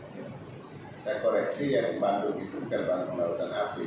saya koreksi yang di bandung itu bukan bandung lautan api